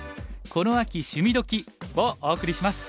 この秋『趣味どきっ！』」をお送りします。